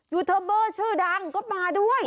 ยูเทิร์เบอร์ชื่อดังก็มาด้วย